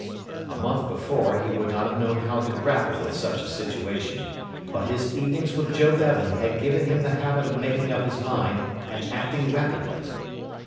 A month before he would not have known how to grapple with such a situation, but his evenings with Joe Bevan had given him the habit of making up his mind and acting rapidly.